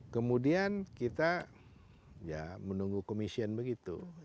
kemudian kita ya menunggu komisien begitu